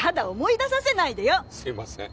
すいません。